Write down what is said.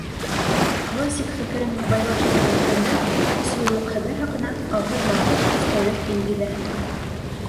Классик фекерен ябайлаштырып әйткәндә, өс юллыҡ хәбәр хаҡына, алһыҙ-ялһыҙ, өс тәүлек ил гиҙәһең.